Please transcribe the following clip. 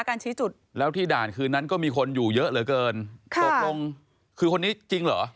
การชี้จุดแล้วที่ด่านคืนนั้นก็มีคนอยู่เยอะเหลือเกินค่ะตกลงคือคนนี้จริงเหรอ